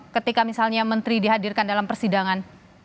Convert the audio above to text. ketika misalnya menteri dihadirkan dalam persidangan